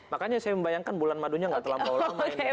makanya saya membayangkan bulan madunya nggak terlampau lama ini